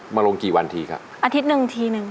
มาลงกี่วันทีครับอาทิตย์หนึ่งทีหนึ่ง